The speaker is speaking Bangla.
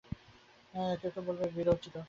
কেউ কেউ বলবে বীরোচিত।